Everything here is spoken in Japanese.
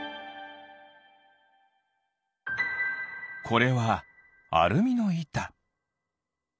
これはアルミのいた。